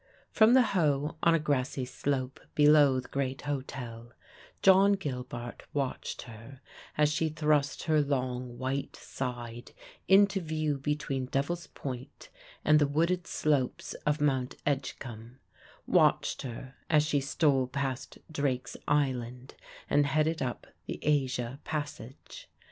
From the Hoe, on a grassy slope below the great hotel, John Gilbart watched her as she thrust her long white side into view between Devil's Point and the wooded slopes of Mount Edgcumbe; watched her as she stole past Drake's Island and headed up the Asia passage.